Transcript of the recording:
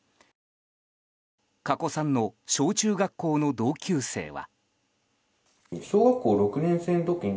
加古さんの小中学校の同級生は。